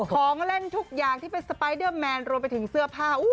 ของเล่นทุกอย่างที่เป็นสไปเดอร์แมนรวมไปถึงเสื้อผ้า